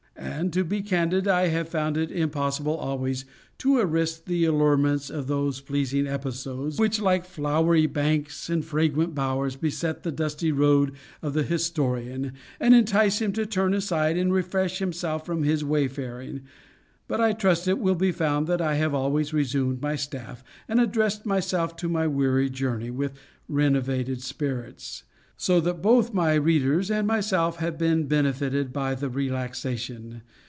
And, to be candid, I have found it impossible always to resist the allurements of those pleasing episodes, which, like flowery banks and fragrant bowers, beset the dusty road of the historian, and entice him to turn aside, and refresh himself from his wayfaring. But I trust it will be found that I have always resumed my staff, and addressed myself to my weary journey with renovated spirits, so that both my readers and myself have been benefited by the relaxation.